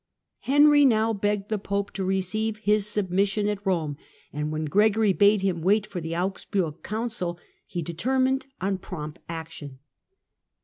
Henry now begged the Pope to receive his submission at Rome, and when Gregory bade him wait for the Augsburg Council, he determined on prompt action.